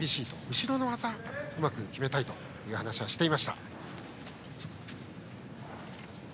後ろの技をうまく決めたいと話していました。